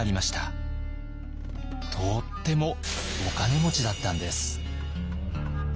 とってもお金持ちだったんです。